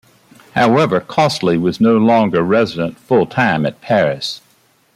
However Costeley was no longer resident full-time at Paris.